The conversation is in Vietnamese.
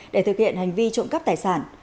để thực hiện hành vi trộm cắp tài sản